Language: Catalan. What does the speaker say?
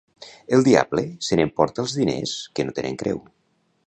El diable se n'emporta els diners que no tenen creu.